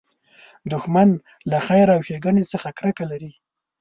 دښمن له خیر او ښېګڼې څخه کرکه لري